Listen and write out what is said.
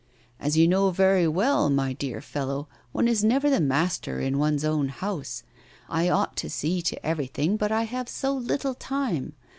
'As you know very well, my dear fellow, one is never the master in one's own house. I ought to see to everything, but I have so little time!